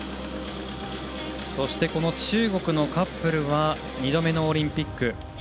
そして、中国のカップルは２度目のオリンピック。